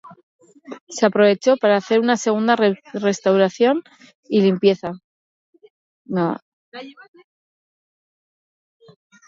Se aprovechó para hacer una segunda restauración y limpieza.